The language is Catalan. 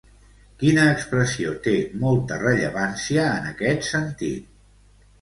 Quina expressió té molta rellevància, en aquest sentit?